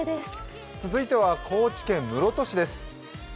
続いては高知県室戸市です。